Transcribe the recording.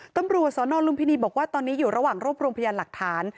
ตำรวจสนลุมพินีบอกว่าตอนนี้อยู่ระหว่างรวบรวมพยานหลักฐาน